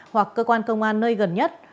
hoặc cơ quan công an nơi gần nhất